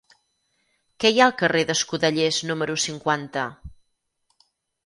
Què hi ha al carrer d'Escudellers número cinquanta?